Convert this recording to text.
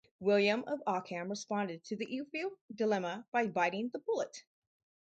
William of Ockham responded to the Euthyphro Dilemma by 'biting the bullet'.